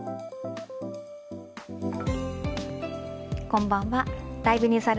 こんばんは。